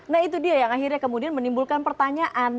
nah itu dia yang akhirnya kemudian menimbulkan pertanyaan